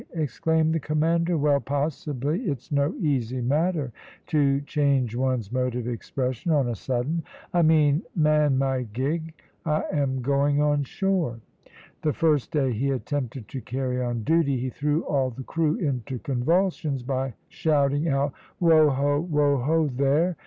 exclaimed the commander. `Well, possibly. It's no easy matter to change one's mode of expression on a sudden. I mean, man my gig; I am going on shore.' The first day he attempted to carry on duty, he threw all the crew into convulsions by shouting out, `Wo ho! wo ho, there!